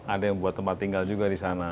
ada yang buat tempat tinggal juga di sana